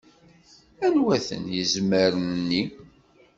Anwa-ten izmaren-nni?